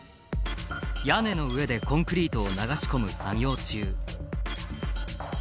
屋根の上でコンクリートを流し込む作業中